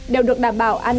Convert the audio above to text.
đều được đảm bảo an ninh